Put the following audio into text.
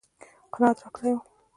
قناعت راکړی و.